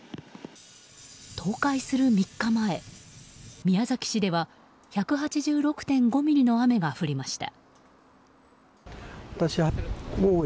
倒壊する３日前宮崎市では１８６．５ミリの雨が降りました。